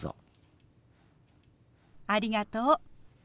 ありがとう。